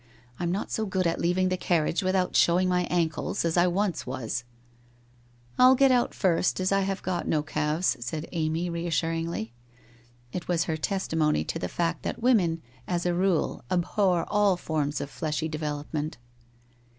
I am not so good at leaving the carriage without showing my ankles, as I once was/ 1 I'll get out first, as I have got no calves,' said Amy reassuringly. It was her testimony to the fact that women, as a rule, abhor all forms of fleshy development.